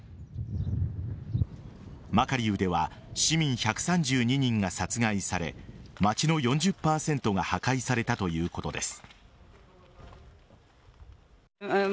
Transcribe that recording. マカリウでは市民１３２人が殺害され町の４０％が破壊されたということです。